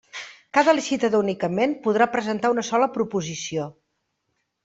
Cada licitador únicament podrà presentar una sola proposició.